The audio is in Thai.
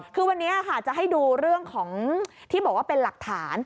คือวันนี้ค่ะจะให้ดูเรื่องของที่บอกว่าเป็นหลักฐาน